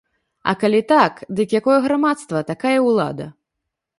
А калі так, дык якое грамадства, такая і ўлада.